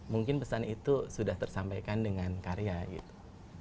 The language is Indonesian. mungkin pesan itu sudah tersampaikan dengan karya gitu